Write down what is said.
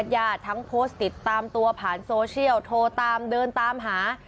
ทั้งโพสต์ติดตามตัวผ่านโซเชียลโทรตามเดินตามหา